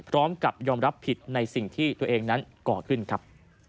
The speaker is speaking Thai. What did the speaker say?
พร้อมกับยอมรับผิดในสิ่งที่ตัวเองนั้นก่อขึ้นครับ